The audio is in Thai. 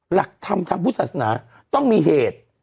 หลักธรรมภูติศาสนาต้องมีเหตุ